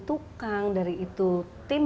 tukang dari itu tim